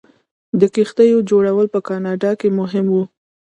د کښتیو جوړول په کاناډا کې مهم و.